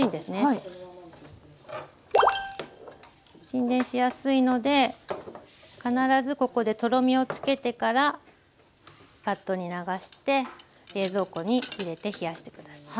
沈殿しやすいので必ずここでとろみをつけてからバットに流して冷蔵庫に入れて冷やして下さい。